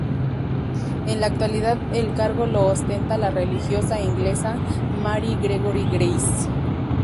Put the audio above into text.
En la actualidad el cargo lo ostenta la religiosa inglesa Mary Gregory Grace.